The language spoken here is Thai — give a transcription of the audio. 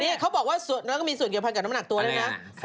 เนี่ยเขาบอกว่ามันก็มีส่วนเกี่ยวภัณฑ์จากน้ำหนักตัวเลยนะ